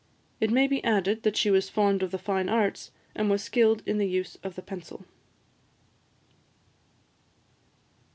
It may be added, that she was fond of the fine arts, and was skilled in the use of the pencil.